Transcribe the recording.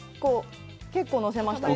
結構のせました。